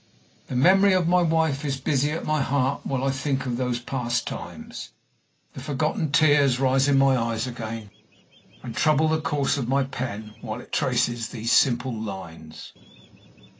The memory of my wife is busy at my heart while I think of those past times. The forgotten tears rise in my eyes again, and trouble the course of my pen while it traces these simple lines.